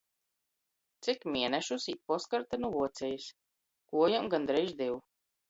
Cik mienešus īt postkarte nu Vuocejis? Kuojom gondreiž div.